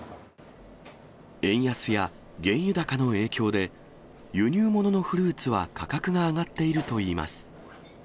円安や原油高の影響で、輸入物のフルーツは価格が上がっているといいます。